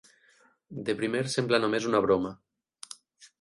De primer sembla només una broma.